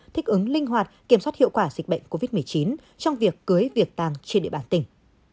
thích ứng linh hoạt kiểm soát hiệu quả dịch bệnh covid một mươi chín trong việc cưới việc tàng trên địa bàn tỉnh